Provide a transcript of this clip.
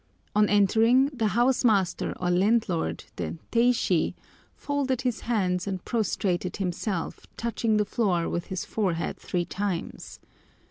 On entering, the house master or landlord, the teishi, folded his hands and prostrated himself, touching the floor with his forehead three times.